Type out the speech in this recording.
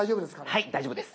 はい大丈夫です。